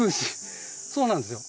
そうなんですよ。